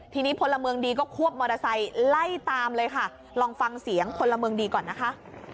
ทีนี้พลเมืองดีก็ควบมอเตอร์ไซค์ไล่ตามเลยค่ะลองฟังเสียงพลเมืองดีก่อนนะคะ